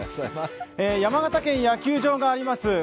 山形県野球場があります